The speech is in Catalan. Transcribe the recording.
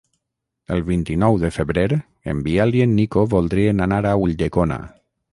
El vint-i-nou de febrer en Biel i en Nico voldrien anar a Ulldecona.